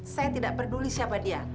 saya tidak peduli siapa dia